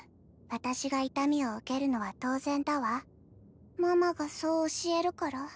私が痛みを受けるのは当然だわママがそう教えるから？